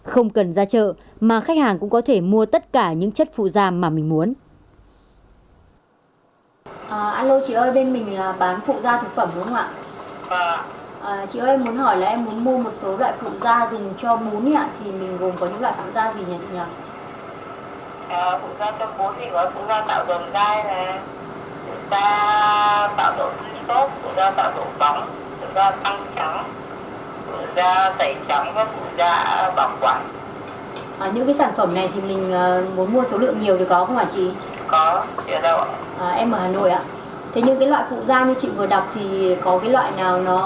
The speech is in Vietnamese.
không cần ra chợ mà khách hàng cũng có thể mua tất cả những chất phụ gia mà mình muốn